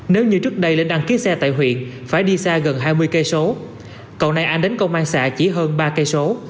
nếu như trước đây lên đăng ký xe tại huyện phải đi xa gần hai mươi km cầu nay an đến công an xã chỉ hơn ba km